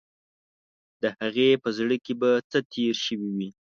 د هغې په زړه کې به څه تیر شوي وي.